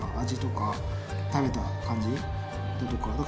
味とか食べた感じだとか。